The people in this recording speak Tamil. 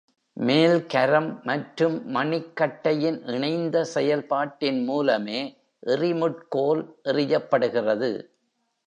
மேல் கரம் மற்றும் மணிக்கட்டையின் இணைந்த செயல்பாட்டின் மூலமே எறிமுட்கோல் எறியப்படுகிறது.